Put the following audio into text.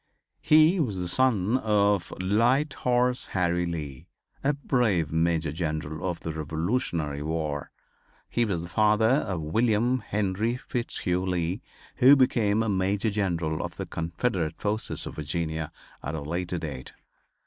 He was the son of "Light Horse Harry Lee," a brave Major General of the Revolutionary War. He was the father of William Henry Fitzhugh Lee, who became a Major General of the Confederate forces of Virginia, at a later date.